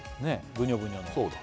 ブニョブニョのそうだ